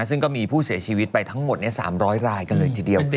ซึ่งก็มีผู้เสียชีวิตไปทั้งหมด๓๐๐รายกันเลยทีเดียว